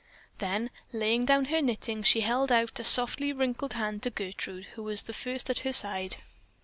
Then, laying down her knitting, she held out a softly wrinkled hand to Gertrude, who was the first at her side.